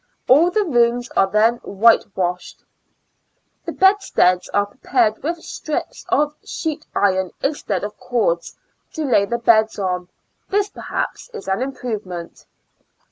All the rooms are then whitewashed. The bedsteads are prepared with strips of sheet iron instead of cords to lay the beds on; this, perhaps, is an improvement.